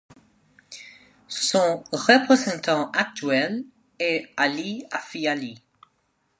Son représentant actuel est Ali Afi Ali.